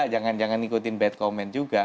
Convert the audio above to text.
jangan jangan ikutin bad comment juga